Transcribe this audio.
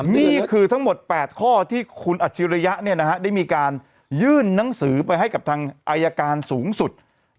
นี่คือทั้งหมด๘ข้อที่คุณอัจฉริยะได้มีการยื่นหนังสือไปให้กับทางอายการสูงสุด